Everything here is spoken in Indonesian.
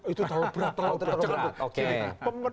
itu terlalu berat